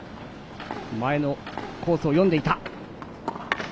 前のコースを読んでいた。